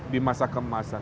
di masa kemasan